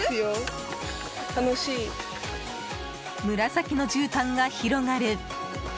紫のじゅうたんが広がる